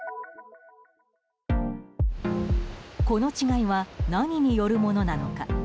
この違いは何によるものなのか。